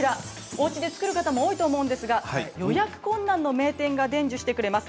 おうちで作る方も多いと思うんですが予約困難の名店が伝授してくれます。